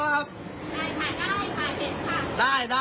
ได้ถ่ายได้ถ่ายเห็ดหมา